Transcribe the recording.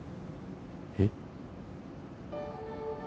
えっ？